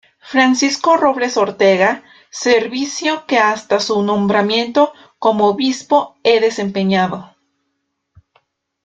Francisco Robles Ortega, servicio que hasta su nombramiento como Obispo he desempeñado.